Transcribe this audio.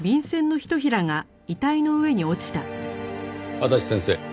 足立先生